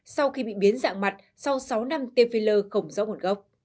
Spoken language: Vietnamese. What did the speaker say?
sau khi bị biến dạng mặt sau sáu năm tiêm phi lơ khổng dốc một gốc